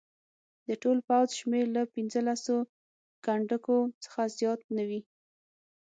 د ټول پوځ شمېر له پنځه لسو کنډکو څخه زیات نه وي.